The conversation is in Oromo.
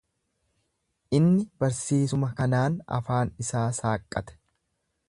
Inni barsiisuma kanaan afaan isaa saaqqate;